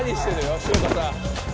吉岡さん。